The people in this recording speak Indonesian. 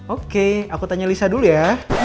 oke aku tanya lisa dulu ya